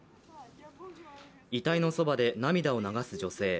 遺体のそばで涙を流す女性。